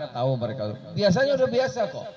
biasanya udah biasa kok